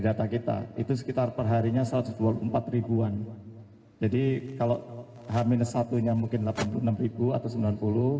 data kita itu sekitar perharinya satu ratus dua puluh empat ribuan jadi kalau hamil satunya mungkin delapan puluh enam ribu atau